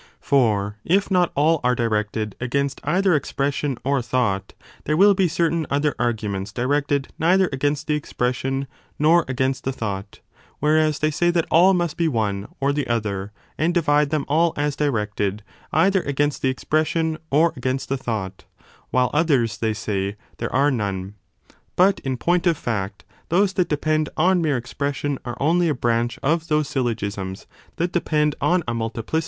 For if not all are directed against either expression or thought, there will be certain other arguments directed neither against the expression nor against the thought, whereas they say that all must be one or the other, and divide them all as directed either against the expression or against the thought, while others (they say) there are none. But in 35 point of fact those that depend on mere expression are only a branch of those syllogisms that depend on a multiplicity 1 iyo b 23.